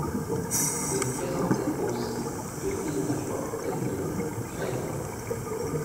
Il présentait aussi de fines nageoires pelviennes, très longues.